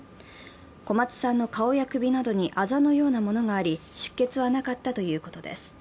小松さんの顔や首などにあざのようなものがあり出血はなかったということです。